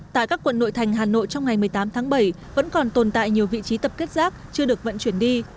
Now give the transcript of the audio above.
tại các quận nội thành hà nội trong ngày một mươi tám tháng bảy vẫn còn tồn tại nhiều vị trí tập kết rác chưa được vận chuyển đi